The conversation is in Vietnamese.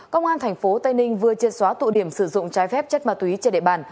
công an tp tây ninh vừa triệt xóa tụ điểm sử dụng trái phép chất ma túy trên địa bàn